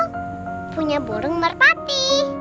aku punya burung merpati